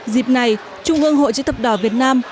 dịp này trung ương hội chỉ tập đỏ việt nam